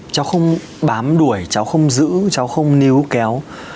cháu không bám đuổi cháu không giữ cháu không níu kéo